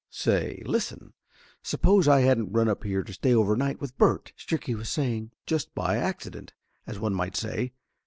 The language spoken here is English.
"Say, listen, suppose I hadn't run up here to stay overnight with Bert!" Stricky was saying. "Just by accident, as one might say.